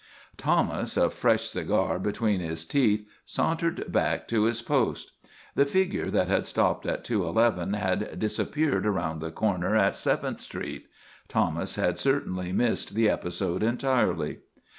Thomas, a fresh cigar between his teeth, sauntered back to his post. The figure that had stopped at 211 had disappeared around the corner at Seventh Street. Thomas had certainly missed the episode entirely.